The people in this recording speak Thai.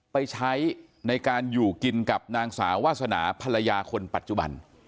ไปใช้ในการอยู่กินกับนางสาววาสนาภรรยาคนปัจจุบัน